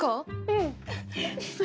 うん。